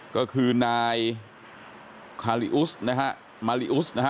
ก็คือนายคาลิอุสท์นะฮะนะฮะ